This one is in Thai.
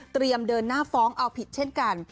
เดินหน้าฟ้องเอาผิดเช่นกัน